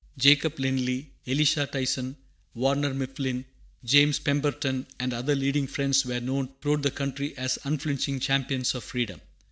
Jacob Lindley, Elisha Tyson, Warner Mifflin, James Pemberton, and other leading Friends were known throughout the country as unflinching champions of freedom.